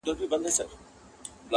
یوه ورخ پاچا وزیر ته ویل خره؛